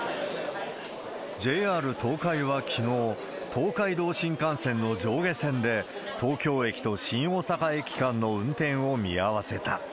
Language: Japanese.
ＪＲ東海はきのう、東海道新幹線の上下線で、東京駅と新大阪駅間の運転を見合わせた。